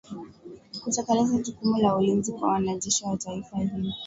kutekeleza jukumu la ulinzi kwa wanajeshi wa taifa hilo